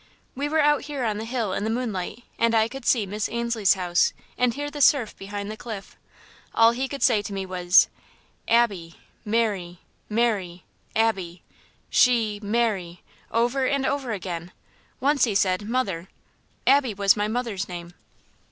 We were out here on the hill in the moonlight and I could see Miss Ainslie's house and hear the surf behind the cliff. All he could say to me was: 'Abby Mary Mary Abby she Mary,' over and over again. Once he said 'mother.' Abby was my mother's name.